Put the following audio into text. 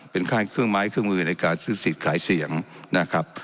เป็นค่ายเครื่องไม้เครื่องมือในการซื้อสิทธิ์ขายเสียงนะครับ